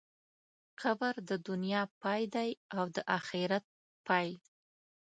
قبر د دنیا پای دی او د آخرت پیل.